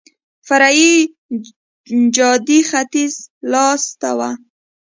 فرعي جادې ختیځ لاس ته وه.